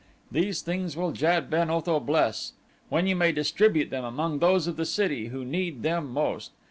These things will Jad ben Otho bless, when you may distribute them among those of the city who need them most.